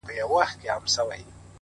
• یو څه له پاسه یو څه له ځانه,